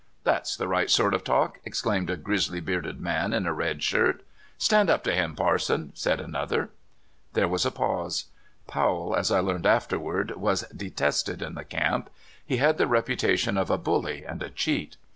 That's the rio; ht sort of talk!" exclaimed a grizzly bearded man in a red shirt. *' Stand up to him, parson! " said another. There was a pause. Powell, as I learned after ward, was detested in the camp. He had the reputation of a bully and a cheat.